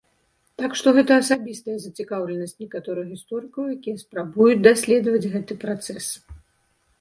Так што гэта асабістая зацікаўленасць некаторых гісторыкаў, якія спрабуюць даследаваць гэты працэс.